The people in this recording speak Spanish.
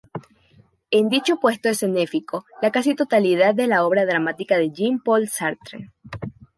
En dicho puesto escenificó la casi totalidad de la obra dramática de Jean-Paul Sartre.